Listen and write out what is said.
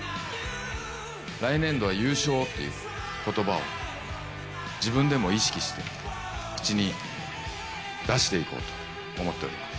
来年度は優勝ということばを自分でも意識して口に出していこうと思っております。